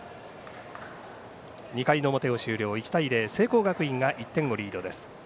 ２回の表を終了、１対０聖光学院が１点をリードです。